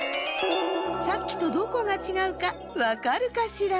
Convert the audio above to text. さっきとどこがちがうかわかるかしら？